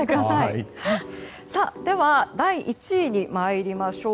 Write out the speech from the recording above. では、第１位に参りましょう。